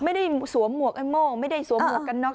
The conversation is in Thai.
ไม่ได้สวมหมวกกันโม่งไม่ได้สวมหมวกกันนอก